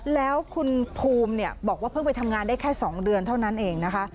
แล้วคุณภูมิบอกว่าเพิ่งไปทำงานได้แค่๒เดือนเท่านั้นเองนะคะ